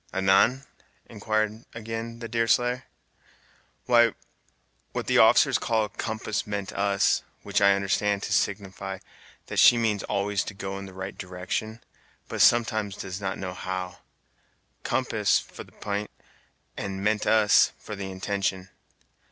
"Anan?" inquired, again, the Deerslayer. "Why, what the officers call 'compass meant us,' which I understand to signify that she means always to go in the right direction, but sometimes does not know how. 'Compass'for the p'int, and 'meant us' for the intention.